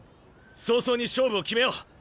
早々に勝負を決めよう！